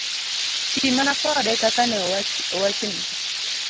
Ti mana kode kaka ne owachni.